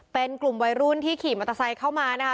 เป็นกลุ่มวัยรุ่นที่ขี่มอเตอร์ไซค์เข้ามานะคะ